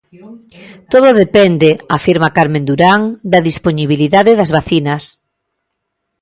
Todo depende, afirma Carmen Durán, da dispoñibilidade das vacinas.